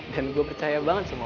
dan gue percaya banget sama lo